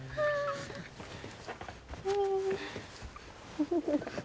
フフフ。